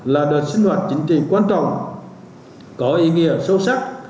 là đợt sinh hoạt chính trị quan trọng có ý nghĩa sâu sắc